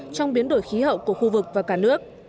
trong biến đổi khí hậu của khu vực và cả nước